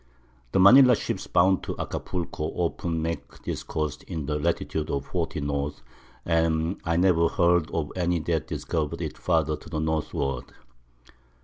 The Manila Ships bound to Acapulco often make this Coast in the Latitude of 40 North, and I never heard of any that discover'd it farther to the Northward.